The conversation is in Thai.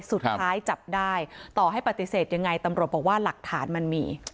สุดท้ายจับได้ต่อให้ปฏิเสธยังไงตำรวจบอกว่าหลักฐานมันมี